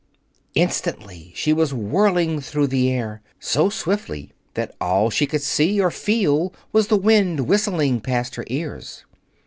Instantly she was whirling through the air, so swiftly that all she could see or feel was the wind whistling past her ears.